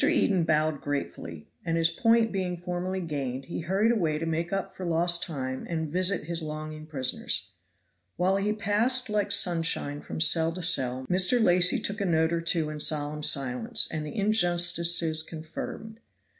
Eden bowed gratefully, and his point being formally gained, he hurried away to make up for lost time and visit his longing prisoners. While he passed like sunshine from cell to cell, Mr. Lacy took a note or two in solemn silence, and the injustices conferred. Mr.